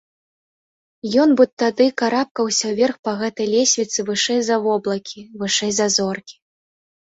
Ён бы тады карабкаўся ўверх па гэтай лесвіцы вышэй за воблакі, вышэй за зоркі.